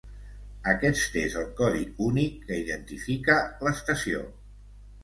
Aquest és el codi únic que identifica l'estació.